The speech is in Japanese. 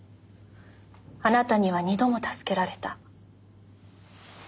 あなたには二度も助けられた。